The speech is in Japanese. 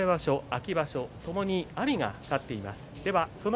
秋場所ともに阿炎が勝っています。